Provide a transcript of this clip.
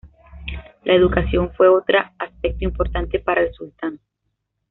La educación fue otra aspecto importante para el Sultán.